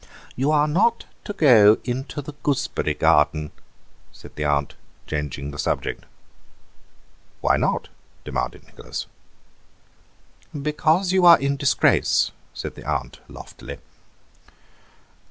"You are not to go into the gooseberry garden," said the aunt, changing the subject. "Why not?" demanded Nicholas. "Because you are in disgrace," said the aunt loftily.